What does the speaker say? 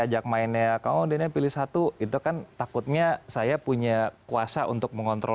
ajak mainnya kamu dia pilih satu itu kan takutnya saya punya kuasa untuk mengontrol